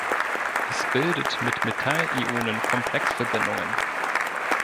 Es bildet mit Metall-Ionen Komplexverbindungen.